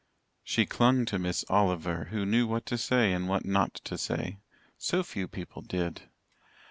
She clung to Miss Oliver, who knew what to say and what not to say. So few people did.